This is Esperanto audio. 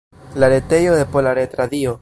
La retejo de Pola Retradio.